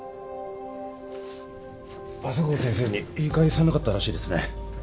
朝顔先生に言い返さなかったらしいですね。